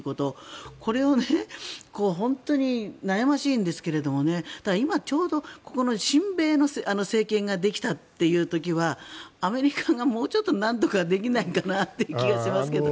これを本当に悩ましいんですけど今、ちょうど親米の政権ができたという時はアメリカがもうちょっとなんとかできないかなという気がしますけども。